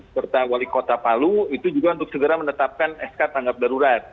serta wali kota palu itu juga untuk segera menetapkan sk tanggap darurat